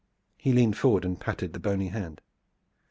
He leaned forward and patted the bony hand.